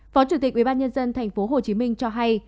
phó chủ tịch ubnd tp hcm cho hay